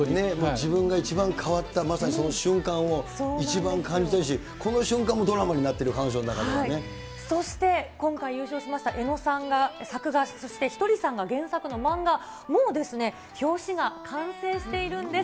自分が一番変わった、まさにその瞬間を、一番感じてるし、この瞬間もドラマになってる、そして今回、優勝しました江野さんが作画、そしてひとりさんが原作の漫画、もう表紙が完成しているんです。